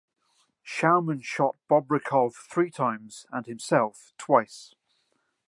Schauman shot Bobrikov three times and himself twice.